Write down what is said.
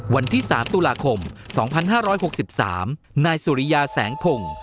วันที่๓ตุลาคม๒๕๖๓นายสุริยาแสงพงศ์